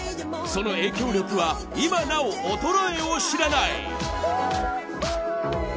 その影響力は今なお衰えを知らない。